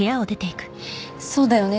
そうだよね？